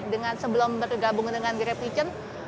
dengan sebelum bergabung dengan grab kitchen